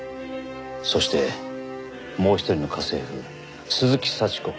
そしてもう一人の家政婦鈴木幸子。